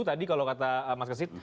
tadi kalau kata mas kesit